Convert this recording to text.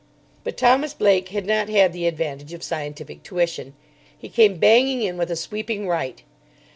But Thomas Blake had not had the advantage of scientific tuition. He came banging in with a sweeping right.